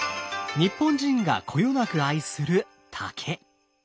日本人がこよなく愛する竹。